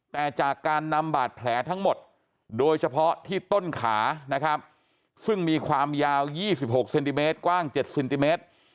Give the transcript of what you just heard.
แต่จากการนำบาดแผลทั้งหมดโดยเฉพาะที่ต้นขานะครับซึ่งมีความยาว๒๖เซนติเมตรกว้าง๗เซนติเมตร